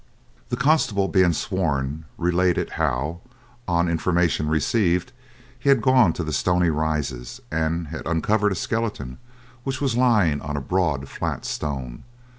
The constable being sworn, related how, on information received, he had gone to the Stoney Rises, and had uncovered a skeleton which was lying on a broad flat stone.